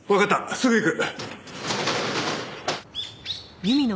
すぐ行く！